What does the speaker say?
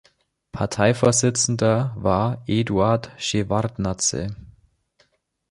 Parteivorsitzender war Eduard Schewardnadse.